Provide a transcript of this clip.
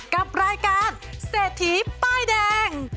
กับรายการเศรษฐีป้ายแดง